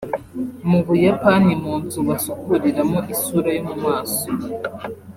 Mu Buyapani mu nzu basukuriramo isura yo mu maso